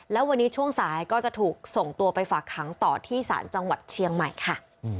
แล้ววันนี้ช่วงสายก็จะถูกส่งตัวไปฝากขังต่อที่ศาลจังหวัดเชียงใหม่ค่ะ